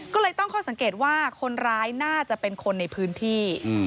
ก็เลยตั้งข้อสังเกตว่าคนร้ายน่าจะเป็นคนในพื้นที่